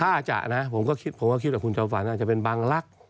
ถ้าจะนะผมก็คิดกับคุณจอมฝันนะจะเป็นบางลักษณ์